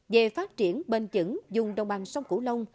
về phát triển bền dững dùng đồng bằng sông cửu long